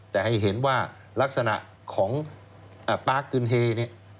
แต่ให้เห็นว่าลักษณะของปาร์คกึนเฮเนี่ย